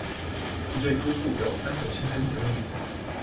一對夫婦有三個親生子女